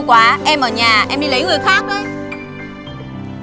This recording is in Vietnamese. lâu quá em ở nhà em đi lấy người khác đi